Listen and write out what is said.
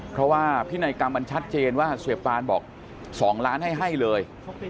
เพราะว่าพินัยกรรมมันชัดเจนว่าเสียปานบอก๒ล้านให้ให้เลย